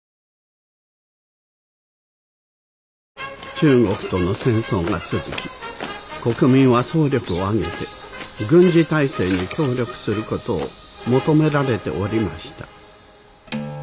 中国との戦争が続き国民は総力を挙げて軍事体制に協力する事を求められておりました。